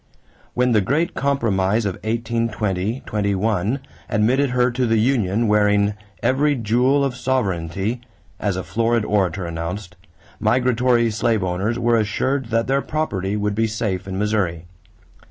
When the great compromise of 1820 21 admitted her to the union, wearing "every jewel of sovereignty," as a florid orator announced, migratory slave owners were assured that their property would be safe in Missouri.